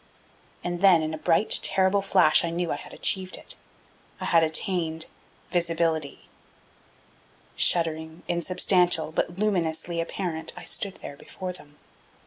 And then, in a bright, terrible flash I knew I had achieved it I had attained visibility. Shuddering, insubstantial, but luminously apparent, I stood there before them.